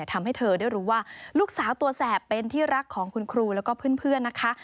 ทำให้เธอได้รู้ว่าลูกสาวตัวแสบเป็นที่รักของคุณครูแล้วก็เพื่อนนะคะ